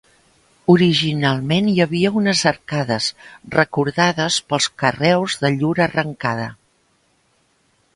Originalment hi havia unes arcades, recordades pels carreus de llur arrencada.